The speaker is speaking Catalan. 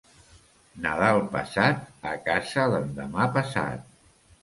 Nadal passat, a casa l'endemà passat.